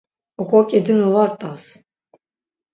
Oǩoǩidinu va rt̆as.